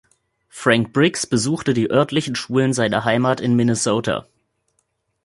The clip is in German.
Frank Briggs besuchte die örtlichen Schulen seiner Heimat in Minnesota.